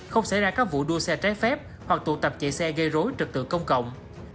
không xảy ra các vụ đua xe trái phép hoặc tụ tập chạy xe gây rối trực tự công cộng